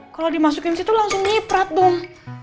kalau dimasukin situ langsung nyiprat dong